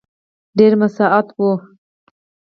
ډېر مساعد وو.